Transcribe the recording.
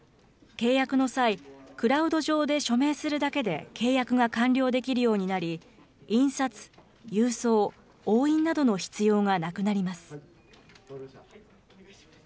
契約の際、クラウド上で署名するだけで契約が完了できるようになり、印刷、郵送、押印などの必要がなくなります。